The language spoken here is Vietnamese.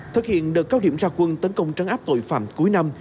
thực hiện đợt cao điểm ra quân tấn công trấn áp tội phạm cuối năm